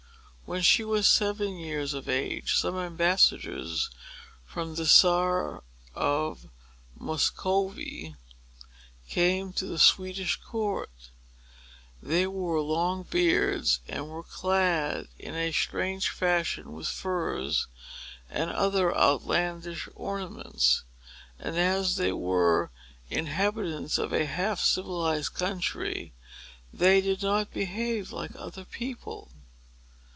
When she was seven years of age, some ambassadors from the Czar of Muscovy came to the Swedish court. They wore long beards, and were clad in a strange fashion, with furs, and other outlandish ornaments; and as they were inhabitants of a half civilized country, they did not behave like other people.